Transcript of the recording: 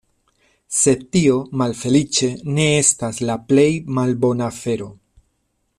Sed tio, malfeliĉe, ne estas la plej malbona afero.